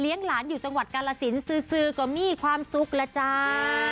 หลานอยู่จังหวัดกาลสินซื้อก็มีความสุขแล้วจ้า